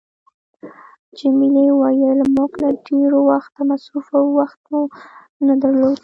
جميلې وويل: موږ له ډېره وخته مصروفه وو، وخت مو نه درلود.